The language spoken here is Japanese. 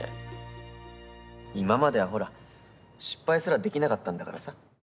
今まではほら失敗すらできなかったんだからさ。